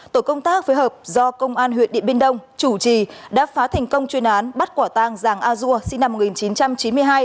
tổ công tác phối hợp do công an huyện điện biên đông chủ trì đã phá thành công chuyên án bắt quả tang giàng a dua sinh năm một nghìn chín trăm chín mươi hai